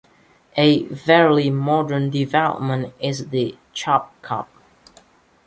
A fairly modern development is the 'Chop Cup'.